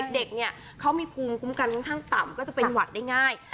เด็กเนี่ยเขามีภูมิคุ้มกันค่อนข้างต่ำก็จะเป็นหวัดได้ง่าย